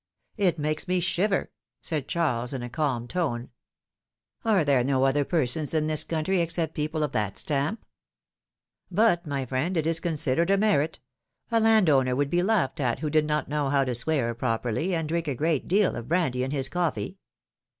It makes me shiver," said Charles, in a calm tone. ^^Are there no other persons in this country except people of that stamp?" philomI^ne's marriages. 149 my friend, it is considered a merit. A land owner would be laughed at, who did not know how to swear properly, and drink a great deal of brandy in his coffee